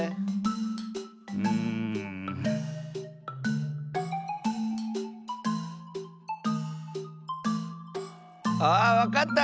うん。あっわかった！